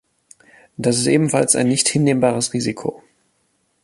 Das ist ebenfalls ein nicht hinnehmbares Risiko.